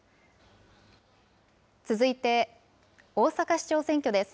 続いて、大阪市長選挙です。